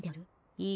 いい？